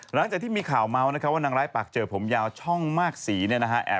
หลังจากที่มีข่าวเมาส์นะครับว่านางร้ายปากเจอผมยาวช่องมากสีเนี่ยนะฮะ